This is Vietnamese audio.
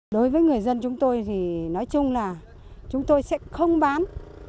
đối với người dân chúng tôi thì nói chung là chúng tôi sẽ không bán